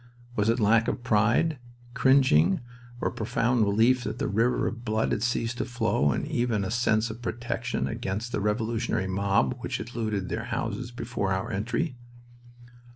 Was it lack of pride, cringing or a profound relief that the river of blood had ceased to flow and even a sense of protection against the revolutionary mob which had looted their houses before our entry?